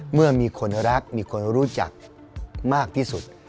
เมื่อมีคนรักมีคนรู้จักมากที่สุด